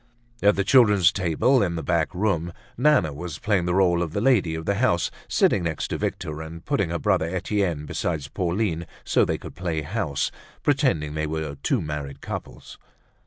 At the children's table in the back room, Nana was playing the role of lady of the house, sitting next to Victor and putting her brother Etienne beside Pauline so they could play house, pretending they were two married couples.